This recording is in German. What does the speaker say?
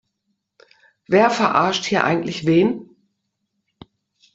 Wer verarscht hier eigentlich wen?